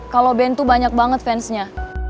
kalo band tuh banyak banget fansnya